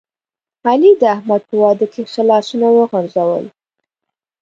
علی د احمد په واده کې ښه لاسونه وغورځول.